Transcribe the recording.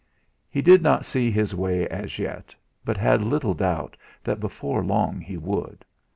He did not see his way as yet, but had little doubt that before long he would.